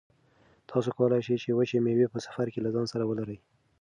تاسو کولای شئ چې وچې مېوې په سفر کې له ځان سره ولرئ.